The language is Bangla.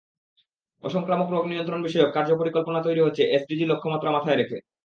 অসংক্রামক রোগ নিয়ন্ত্রণ-বিষয়ক কার্য পরিকল্পনা তৈরি হচ্ছে এসডিজি লক্ষ্যমাত্রা মাথায় রেখে।